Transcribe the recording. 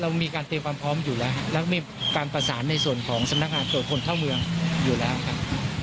มีการเตรียมความพร้อมอยู่แล้วครับแล้วก็มีการประสานในส่วนของสำนักงานตรวจคนเข้าเมืองอยู่แล้วครับ